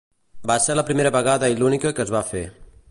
Va ser la primera vegada i l'única que es va fer.